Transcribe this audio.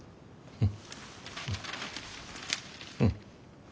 うん？